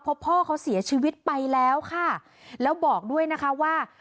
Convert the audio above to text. เพราะพ่อเขาเสียชีวิตไปแล้วค่ะแล้วบอกด้วยนะคะว่า